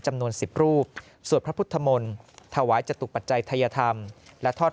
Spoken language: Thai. จำนวน๑๐รูปสวดพระพุทธมนต์ถวายจตุปัจจัยทัยธรรมและทอด